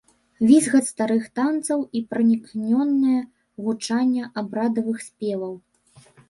Візгат старых танцаў і пранікнёнае гучанне абрадавых спеваў.